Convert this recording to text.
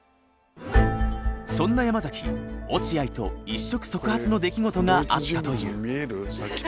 そんな山崎落合と一触即発の出来事があったという。